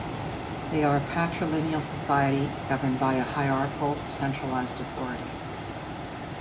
They are a patrilineal society governed by a hierarchal, centralized authority.